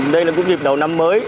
đây là cũng dịp đầu năm mới